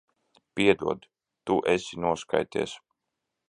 Piedod. Tu esi noskaities.